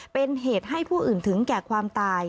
เป็นเหตุให้ผู้อื่นถึงแก่ความตาย